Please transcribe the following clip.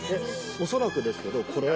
恐らくですけどこれ。